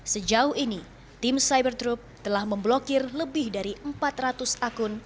sejauh ini tim cyber group telah memblokir lebih dari empat ratus akun